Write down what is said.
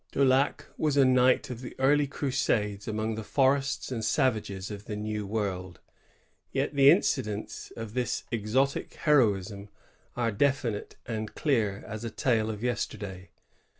Daulac was a knight of the early crusades among the forests and savages of the New World. Yet the incidents of this exotic heroism are definite and clear as a tale of yesterday.